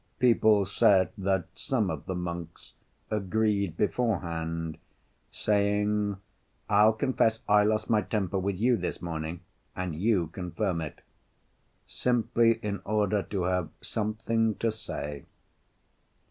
People said that some of the monks agreed beforehand, saying, "I'll confess I lost my temper with you this morning, and you confirm it," simply in order to have something to say.